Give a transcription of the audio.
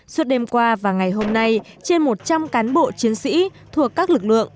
suốt đêm qua và ngày hôm nay trên một trăm linh cán bộ chiến sĩ thuộc các lực lượng